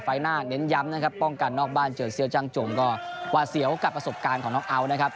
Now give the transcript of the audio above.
หน้าเน้นย้ำนะครับป้องกันนอกบ้านเจอเสื้อจ้างจงก็ว่าเสียวกับประสบการณ์ของน้องเอาท์นะครับ